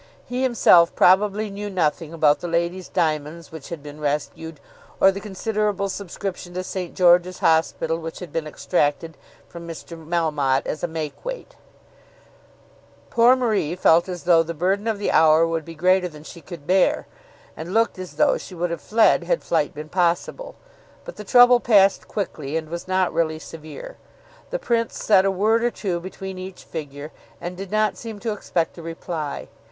He himself probably knew nothing about the lady's diamonds which had been rescued, or the considerable subscription to St. George's Hospital which had been extracted from Mr. Melmotte as a make weight. Poor Marie felt as though the burden of the hour would be greater than she could bear, and looked as though she would have fled had flight been possible. But the trouble passed quickly, and was not really severe. The Prince said a word or two between each figure, and did not seem to expect a reply.